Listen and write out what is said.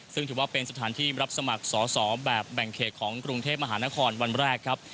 ซึ่งถือว่าเป็นสถานที่รับสมัครสอสอแบบแบ่งเขตของกรุงเทพมหานครวันแรกครับ